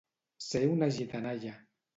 Ser una gitanalla.